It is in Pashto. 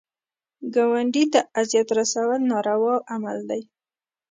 ګاونډي ته اذیت رسول ناروا عمل دی